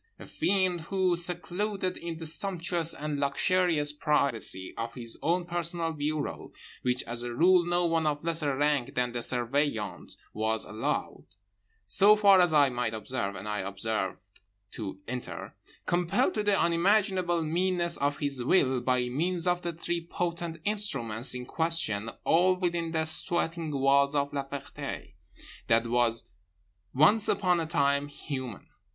A fiend who, secluded in the sumptuous and luxurious privacy of his own personal bureau (which as a rule no one of lesser rank than the Surveillant was allowed, so far as I might observe—and I observed—to enter) compelled to the unimaginable meanness of his will by means of the three potent instruments in question all within the sweating walls of La Ferté—that was once upon a time human.